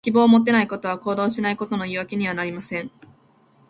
希望を持てないことは、行動しないことの言い訳にはなりません。